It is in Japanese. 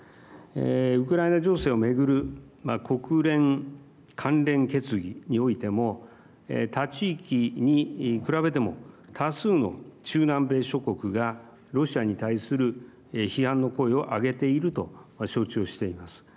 ウクライナ情勢を巡る国連関連決議においても他地域に比べても多数の中南米諸国がロシアに対する批判の声を上げていると承知をしております。